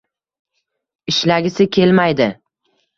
Ishlagisi kelmaydi